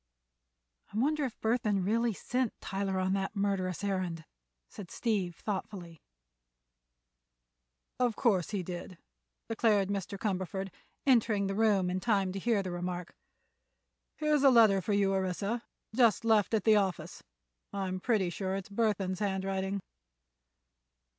"I wonder if Burthon really sent Tyler on that murderous errand," said Steve, thoughtfully. "Of course he did!" declared Mr. Cumberford, entering the room in time to hear the remark. "Here's a letter for you, Orissa, just left at the office, and I'm pretty sure it's Burthon's handwriting."